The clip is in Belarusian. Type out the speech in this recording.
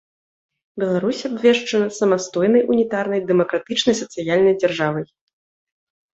Беларусь абвешчана самастойнай унітарнай дэмакратычнай сацыяльнай дзяржавай.